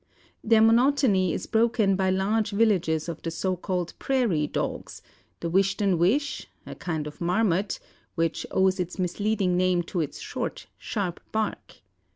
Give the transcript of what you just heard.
Their monotony is broken by large villages of the so called prairie dogs, the Wishton Wish, a kind of marmot, which owes its misleading name to its short, sharp bark.